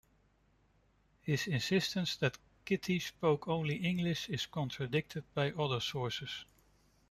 His insistence that Kitty spoke only English is contradicted by other sources.